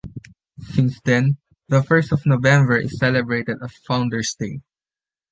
Since then, the first of November is celebrated as Founders' Day.